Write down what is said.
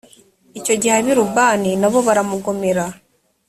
icyo gihe ab i libuna na bo baramugomera